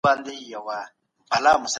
استاد وویل چي هر څوک باید خپله دنده وپېژني.